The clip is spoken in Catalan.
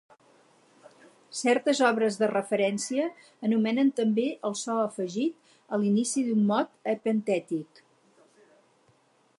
Certes obres de referència anomenen també el so afegit a l'inici d'un mot epentètic.